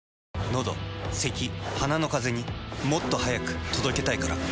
のどせき鼻のカゼにもっと速く届けたいから。